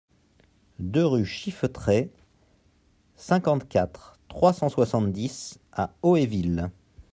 deux rue Chiffetraie, cinquante-quatre, trois cent soixante-dix à Hoéville